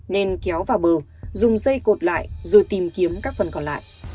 nên kéo vào bờ dùng dây cột lại rồi tìm kiếm các phần còn lại